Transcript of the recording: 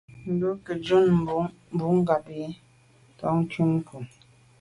Ndù me ke jun mbumngab yi t’a kum nkù.